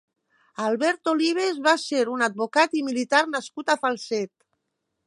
Albert Olives va ser un advocat i militar nascut a Falset.